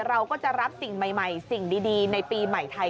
เราก็จะรับสิ่งใหม่สิ่งดีในปีใหม่ไทย